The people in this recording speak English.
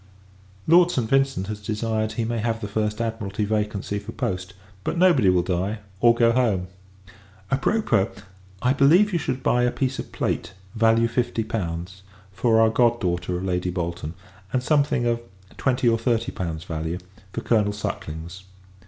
Lord St. Vincent has desired he may have the first Admiralty vacancy for post; but nobody will die, or go home. A propos! I believe, you should buy a piece of plate, value fifty pounds, for our god daughter of Lady Bolton; and something of twenty or thirty pounds value, for Colonel Suckling's.